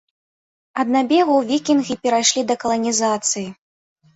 Ад набегаў вікінгі перайшлі да каланізацыі.